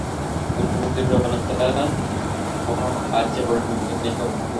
ইনি বুদ্ধির প্রবীণতা বাহ্য নবীনতা দিয়ে গোপন করে রেখেছেন।